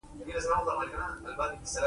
پۀ سهي خوراک يا پۀ سپليمنټس پوره کړي -